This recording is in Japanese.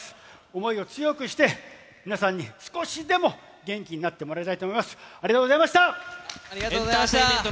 想いを強くして、皆さんに少しでも元気になってもらいたいと思います。